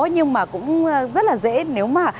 nhưng mà cũng rất là dễ nếu mà